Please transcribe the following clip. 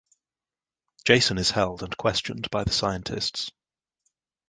Jason is held and questioned by the scientists.